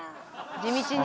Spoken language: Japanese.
地道に。